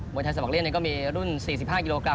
วยไทยสมัครเล่นก็มีรุ่น๔๕กิโลกรั